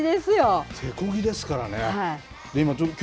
手こぎですからね。